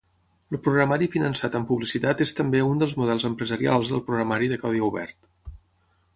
El programari finançat amb publicitat és també un dels models empresarials del programari de codi obert.